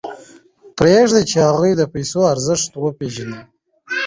پرېږدئ چې هغوی د پیسو ارزښت وپېژني.